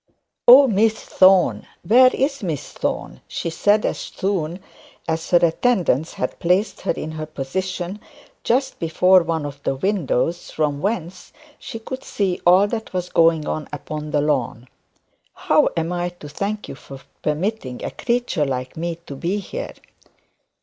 'Oh, Miss Thorne; where is Miss Thorne?' she said, as soon as her attendants had placed her in her position just before one of the windows, from whence she could see all that was going on upon the lawn; 'How am I to thank you for permitting a creature like me to be here?